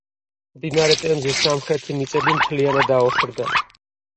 მდინარე ტემზის სამხრეთი მიწები მთლიანად აოხრდა.